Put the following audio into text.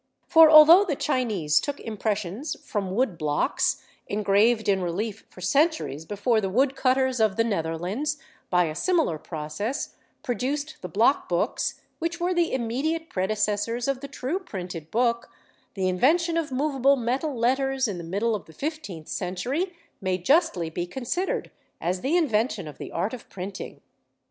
For although the Chinese took impressions from wood blocks engraved in relief for centuries before the wood cutters of the Netherlands, by a similar process, produced the block books, which were the immediate predecessors of the true printed book, the invention of movable metal letters in the middle of the fifteenth century may justly be considered as the invention of the art of printing.